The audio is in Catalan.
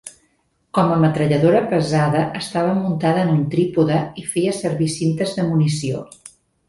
Com a metralladora pesada estava muntada en un trípode i feia servir cintes de munició.